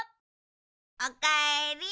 おかえり。